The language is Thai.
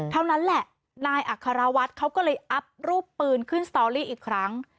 เท่านั้นแหละนายอัครวัฒน์เขาก็เลยอัพรูปปืนขึ้นสตอรี่อีกครั้ง